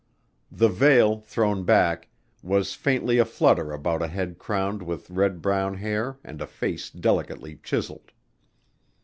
The veil, thrown back, was faintly aflutter about a head crowned with red brown hair and a face delicately chiseled.